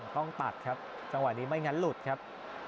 ต้องตัดครับจังหวะนี้ไม่งั้นหลุดครับ